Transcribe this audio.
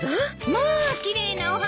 まあ奇麗なお花。